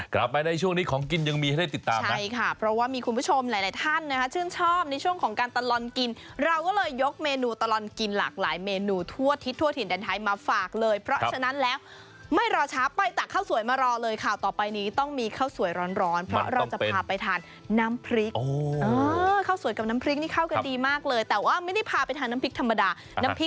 กลับไปในช่วงนี้ของกินยังมีให้ได้ติดตามนะใช่ค่ะเพราะว่ามีคุณผู้ชมหลายท่านนะคะชื่นชอบในช่วงของการตะลอนกินเราก็เลยยกเมนูตะลอนกินหลากหลายเมนูทั่วทิศทั่วถิ่นแดนไทยมาฝากเลยเพราะฉะนั้นแล้วไม่รอช้าไปตักข้าวสวยมารอเลยค่ะต่อไปนี้ต้องมีข้าวสวยร้อนเพราะเราจะพาไปทานน้ำพริกข้าวสวยกับน้ำ